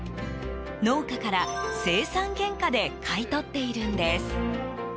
農家から生産原価で買い取っているんです。